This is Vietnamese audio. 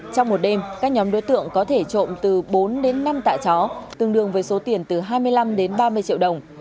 trong một đêm các nhóm đối tượng có thể trộm từ bốn đến năm tạ chó tương đương với số tiền từ hai mươi năm đến ba mươi triệu đồng